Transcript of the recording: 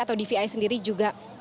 atau dvi sendiri juga